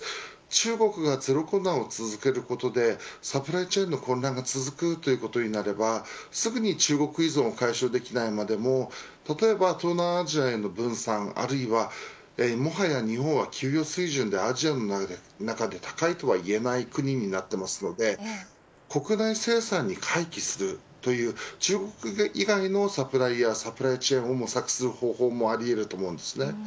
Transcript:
中国がゼロコロナを続けることでサプライチェーンの混乱が続くということになればすぐに中国依存は解消できないまでも東南アジアでの分散、あるいは日本は給与水準はアジアの中では高いとはいえない国になっていますので国内生産に回帰する中国以外のサプライチェーンを模索する方向もありえます。